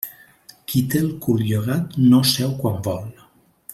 Qui té el cul llogat no seu quan vol.